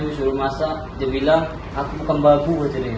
dia suruh masak dia bilang aku bukan babu